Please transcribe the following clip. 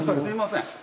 すいません。